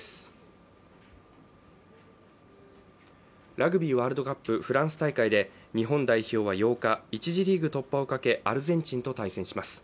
ラグビーワールドカップ・フランス大会で日本代表は８日、１次リーグ突破をかけアルゼンチンと対戦します。